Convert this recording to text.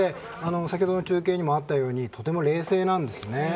先ほどの中継にもあったようにとても冷静なんですね。